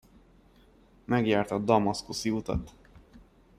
Megjárta a damaszkuszi utat.